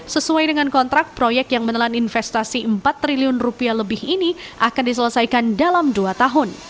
sesuai dengan kontrak proyek yang menelan investasi empat triliun rupiah lebih ini akan diselesaikan dalam dua tahun